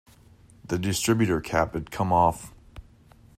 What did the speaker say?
The distributor cap had come off.